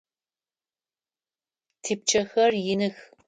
Типчъэхэр иных.